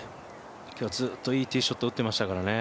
今日ずっといいティーショットを打ってましたからね。